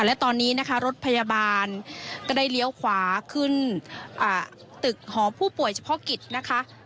และตอนนี้นะคะรถพยาบาลก็ได้เลี้ยวขวาขึ้นตึกหอผู้ป่วยเฉพาะกิจนะคะ